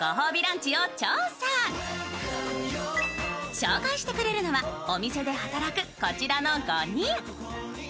紹介してくれるのは、お店で働くこちらの５人。